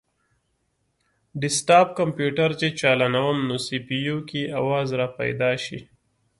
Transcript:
ډیسکټاپ کمپیوټر چې چالانووم نو سي پي یو کې اواز راپیدا شي